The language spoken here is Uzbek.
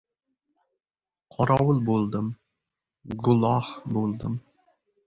Qorovul bo‘ldim, go‘loh bo‘ldim.